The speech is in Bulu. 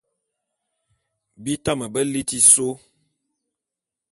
Bi tame be liti sô.